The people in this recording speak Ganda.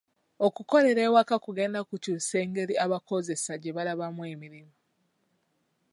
Okukolera ewaka kugenda kukyusa engeri abakozesa gye balabamu emirimu.